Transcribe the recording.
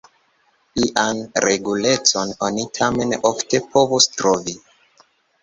Ian regulecon oni tamen ofte povus trovi.